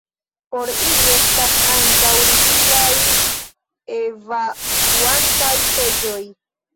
Por ili estas ankaŭ rigidaj evakuantaj seĝoj.